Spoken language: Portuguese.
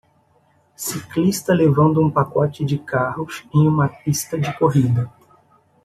ciclista levando um pacote de carros em uma pista de corrida.